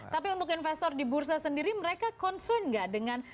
tapi untuk investor di bursa sendiri mereka concern nggak dengan